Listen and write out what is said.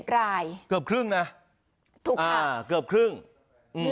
๘๒๑รายเกือบครึ่งนะอ่าเกือบครึ่งถูกค่ะ